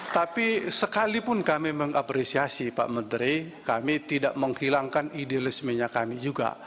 tapi sekalipun kami mengapresiasi pak menteri kami tidak menghilangkan idealismenya kami juga